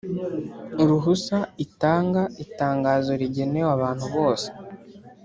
Uruhusa itanga itangazo rigenewe abantu bose